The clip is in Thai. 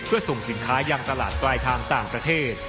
เพื่อส่งสินค้ายังตลาดปลายทางต่างประเทศ